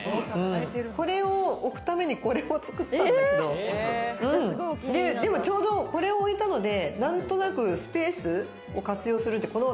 これを置くためにこれを作ったんですけど、でもちょうどこれを置いたので、何となくスペースを活用するって。